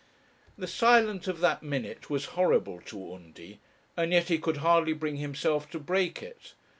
The silence of that minute was horrible to Undy, and yet he could hardly bring himself to break it.